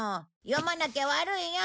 読まなきゃ悪いよ。